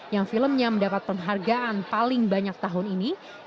yang filmnya mendapat penghargaan paling banyak tahun ini